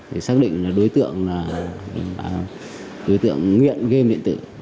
thì xác định là đối tượng nghiện game điện tử